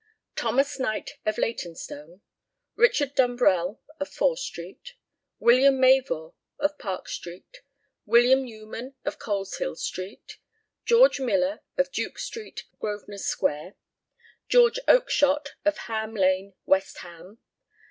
THOMAS KNIGHT, of Leytonstone. RICHD. DUMBRELL, Fore Street. WM. MAVOR, Park Street. WM. NEWMAN, Coleshill Street. GEORGE MILLER, Duke Street, Grosvenor Square. GEORGE OAKSHOTT, Ham Lane, West Ham.